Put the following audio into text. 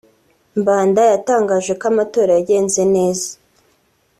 Mbanda yatangaje ko amatora yagenze neza